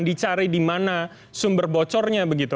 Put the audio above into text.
dicari di mana sumber bocornya begitu